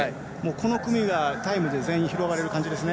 この組がタイムで全員拾われる感じですね。